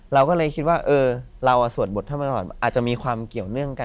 เราก็เลยคิดว่าเออเราสวดบททั้งหมดอาจจะมีความเกี่ยวเนื่องกัน